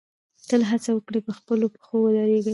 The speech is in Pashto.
تل هڅه وکړئ چې په خپلو پښو ودرېږئ.